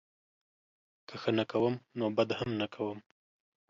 که ښه نه کوم نوبدهم نه کوم